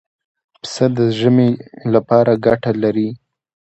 پسه د ژمې لپاره ګټه لري.